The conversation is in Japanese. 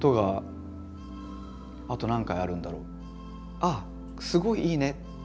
「あっすごいいいね。